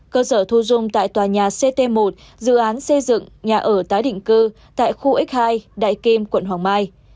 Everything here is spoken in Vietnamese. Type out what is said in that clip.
cơ sở thu dung tại tòa nhà ct một dự án xây dựng nhà ở tái định cư tại khu x hai đại kim quận hoàng mai